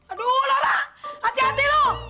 aduh laura hati hati lo